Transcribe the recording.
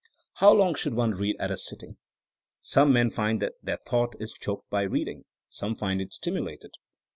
How long should one read at a sitting 1 Some men find that their thought is choked by read ing. Some find it stimulated.